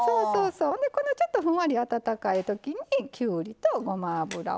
ちょっとふんわり温かいときにきゅうりとごま油を入れて。